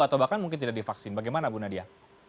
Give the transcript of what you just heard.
atau bahkan mungkin tidak divaksin bagaimana bu nadia